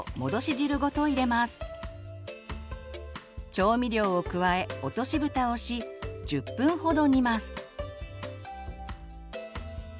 調味料を加え落としブタをし１０分ほど煮ます。